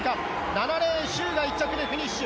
７レーン、シュウが１着でフィニッシュ。